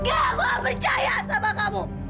enggak aku enggak percaya sama kamu